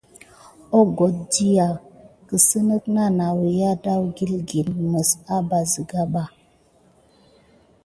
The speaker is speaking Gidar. Əgohet ɗiyi kisine na nawuya deglukedi mis aba siga ba.